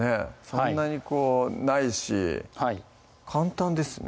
そんなにこうないし簡単ですね